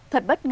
thật bất ngờ